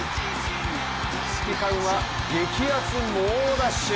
指揮官は激アツ猛ダッシュ。